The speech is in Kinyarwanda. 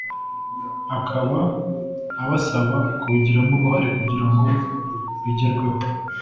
akaba abasaba kubigiramo uruhare kugira ngo bigerweho